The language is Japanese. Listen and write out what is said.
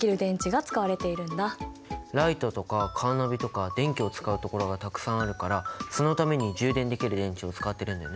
ライトとかカーナビとか電気を使うところがたくさんあるからそのために充電できる電池を使ってるんだよね。